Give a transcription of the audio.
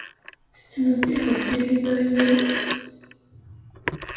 Tettnezziheḍ tiliẓri yal ass?